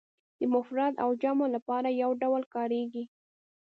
د مفرد او جمع لپاره یو ډول کاریږي.